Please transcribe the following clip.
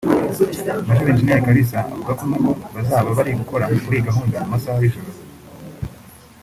Maj Eng Kalisa avuga ko nubwo bazaba bari gukora muri iyi gahunda mu masaha y’ijoro